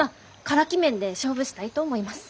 カラキ麺で勝負したいと思います。